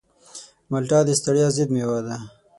مالټه د ستړیا ضد مېوه ده.